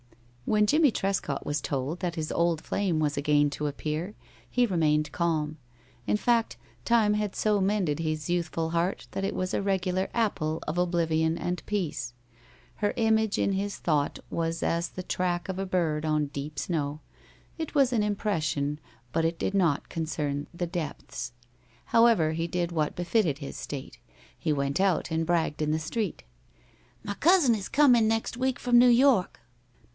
When Jimmie Trescott was told that his old flame was again to appear, he remained calm. In fact, time had so mended his youthful heart that it was a regular apple of oblivion and peace. Her image in his thought was as the track of a bird on deep snow it was an impression, but it did not concern the depths. However, he did what befitted his state. He went out and bragged in the street: "My cousin is comin' next week f'om New York."